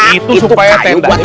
itu supaya tendanya bisa